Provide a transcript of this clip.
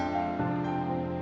terima kasih ya